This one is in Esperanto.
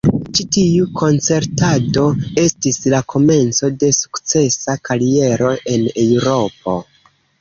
Ĉi tiu koncertado estis la komenco de sukcesa kariero en Eŭropo.